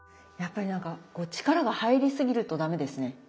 やっぱりなんか力が入りすぎると駄目ですね。